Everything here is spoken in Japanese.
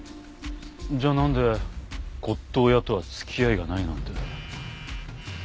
じゃあなんで骨董屋とは付き合いがないなんて。